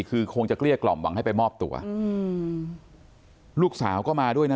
คือคงจะเกลี้ยกล่อมหวังให้ไปมอบตัวอืมลูกสาวก็มาด้วยนะ